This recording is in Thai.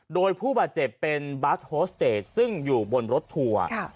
โดยผู้บาดเจ็บเป็นบาสโฮสเตจซึ่งอยู่บนรถทัวร์